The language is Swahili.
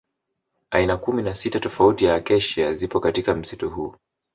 Aina kumi na sita tofauti ya Acacia zipo katika msitu huu